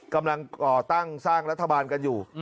กำลังก่อตั้งสร้างรัฐบาลกันอยู่